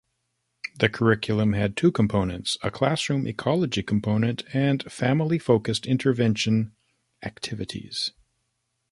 The curriculum had two components: a classroom ecology component and family-focused intervention activities.